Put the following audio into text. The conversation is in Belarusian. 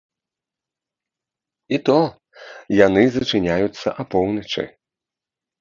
І то, яны зачыняюцца апоўначы.